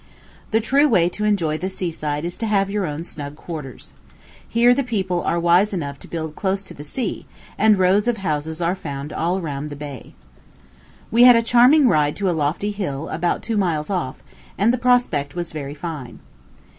The true way to enjoy the seaside is to have your own snug quarters. Here the people are wise enough to build close to the sea, and rows of houses are found all round the bay. We had a charming ride to a lofty hill, about two miles off, and the prospect was very fine.